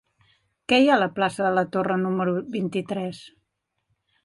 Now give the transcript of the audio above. Què hi ha a la plaça de la Torre número vint-i-tres?